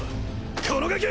このガキ！